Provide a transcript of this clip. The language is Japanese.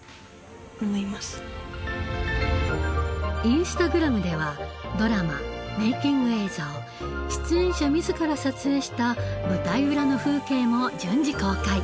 インスタグラムではドラマメイキング映像出演者自ら撮影した舞台裏の風景も順次公開。